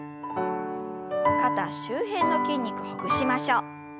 肩周辺の筋肉ほぐしましょう。